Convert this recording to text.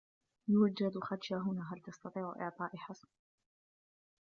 يوجد خدشة هنا، فهل تستطيع اعطائي حسم؟